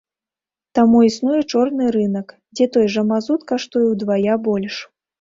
Таму існуе чорны рынак, дзе той жа мазут каштуе ўдвая больш.